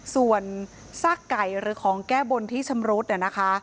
ส่วนซากไก่หรือของแก้บนที่ชำรุดนะคะ